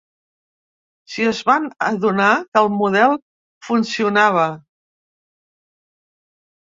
Sí, es van adonar que el model funcionava.